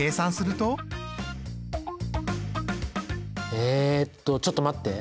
えっとちょっと待って。